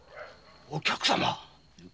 お客様！？